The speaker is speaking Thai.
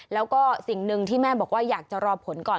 แล้วก็สิ่งหนึ่งที่แม่บอกว่าอยากจะรอผลก่อน